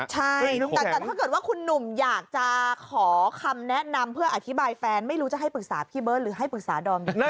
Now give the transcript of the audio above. ใช่แต่ถ้าเกิดว่าคุณหนุ่มอยากจะขอคำแนะนำเพื่ออธิบายแฟนไม่รู้จะให้ปรึกษาพี่เบิร์ตหรือให้ปรึกษาดอม